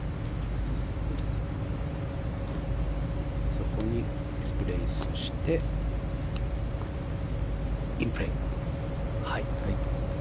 そこにリプレースしてインプレー。